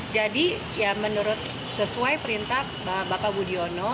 jadi ya menurut sesuai perintah bapak budiono